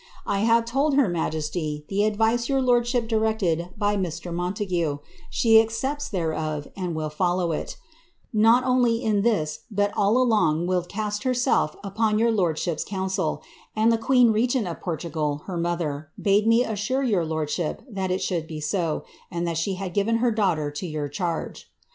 I have told her majesity the advice your lordship directed by Mr. Mob* taguc; she accepts thereof, and will follow it, not only in this, but all along vill ca»t herself ui>on your lonUhip's council ; and the quecn regeut of Portugal, be mother, bade me assure your lordship tlxat it should be so, and that she W given her daughter to your charge.